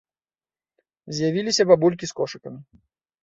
З'явіліся бабулькі з кошыкамі.